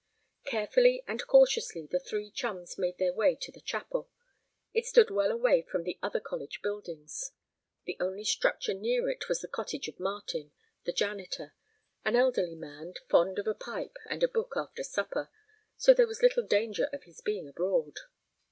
Carefully and cautiously the three chums made their way to the chapel. It stood well away from the other college buildings. The only structure near it was the cottage of Martin, the janitor, an elderly man fond of a pipe and a book after supper, so there was little danger of his being abroad.